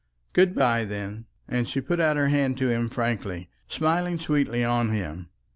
"Good by, then," and she put out her hand to him frankly, smiling sweetly on him.